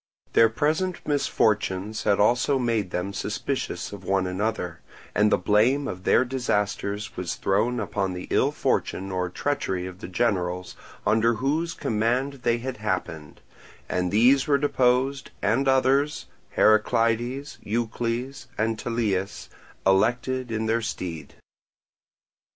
Their present misfortunes had also made them suspicious of one another; and the blame of their disasters was thrown upon the ill fortune or treachery of the generals under whose command they had happened; and these were deposed and others, Heraclides, Eucles, and Tellias, elected in their stead.